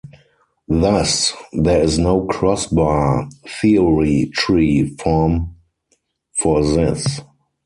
Thus, there is no X-bar Theory tree form for this.